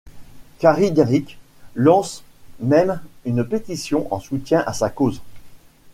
Carrie Derick lance même une pétition en soutien à sa cause.